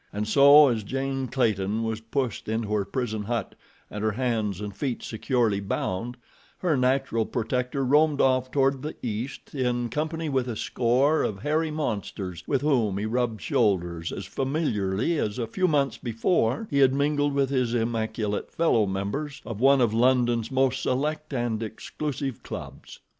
And so, as Jane Clayton was pushed into her prison hut and her hands and feet securely bound, her natural protector roamed off toward the east in company with a score of hairy monsters, with whom he rubbed shoulders as familiarly as a few months before he had mingled with his immaculate fellow members of one of London's most select and exclusive clubs.